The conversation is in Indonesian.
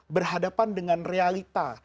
berhadapan dengan realita